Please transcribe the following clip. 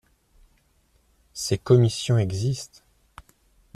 Ces commissions existent.